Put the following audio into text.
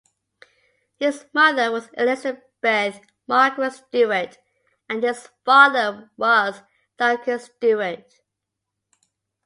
His mother was Elizabeth Margaret Stewart and his father was Duncan Stewart.